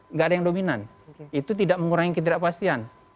nggak ada yang dominan itu tidak mengurangi ketidakpastian